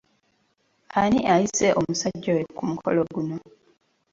Ana ayise omusajja oyo ku mukolo guno?